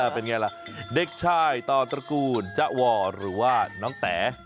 เป็นอย่างไรล่ะเด็กชายต่อตระกูลจั๊วรหรือว่าน้องแท๋